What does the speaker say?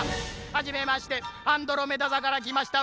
「はじめましてアンドロメダ座からきました